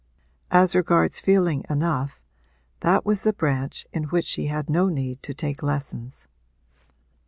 As regards feeling enough, that was a branch in which she had no need to take lessons.